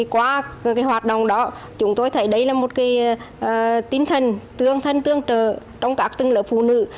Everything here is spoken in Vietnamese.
qua hoạt động đó chúng tôi thấy đây là một tinh thần tương thân tương trợ trong các tương lỡ phụ nữ